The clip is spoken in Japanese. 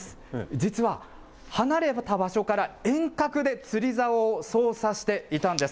実は、離れた場所から遠隔で釣りざおを操作していたんです。